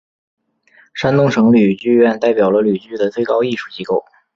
山东省吕剧院代表了吕剧的最高艺术机构。